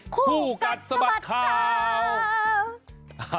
คู่กับสมัสขาว